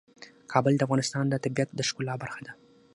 کابل د افغانستان د طبیعت د ښکلا برخه ده.